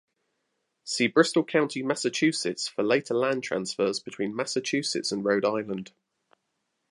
See Bristol County, Massachusetts for later land transfers between Massachusetts and Rhode Island.